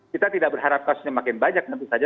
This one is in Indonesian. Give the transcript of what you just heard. kita tidak berharap kasusnya makin banyak tentu saja